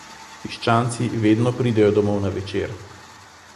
Piščanci vedno pridejo domov na večer.